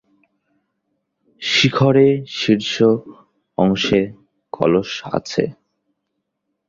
শিখরে শীর্ষ অংশে কলস আছে।